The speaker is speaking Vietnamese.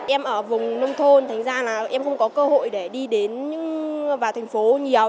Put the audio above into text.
em ở vùng nông thôn thành ra là em không có cơ hội để đi đến vào thành phố nhiều